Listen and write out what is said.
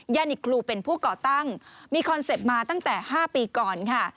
นิกครูเป็นผู้ก่อตั้งมีคอนเซ็ปต์มาตั้งแต่๕ปีก่อนค่ะ